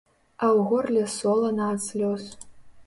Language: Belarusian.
А ў горле солана ад слёз.